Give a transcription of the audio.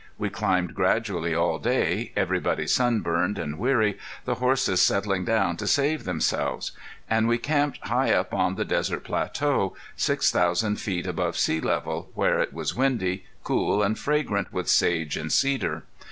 We climbed gradually all day, everybody sunburned and weary, the horses settling down to save themselves; and we camped high up on the desert plateau, six thousand feet above sea level, where it was windy, cool, and fragrant with sage and cedar.